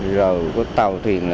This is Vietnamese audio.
rồi tàu thuyền